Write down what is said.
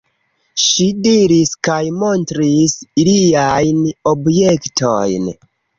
Ŝi ridis kaj montris aliajn objektojn.